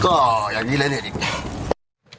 ก็อ่ะอย่างนี้แหละเนี่ย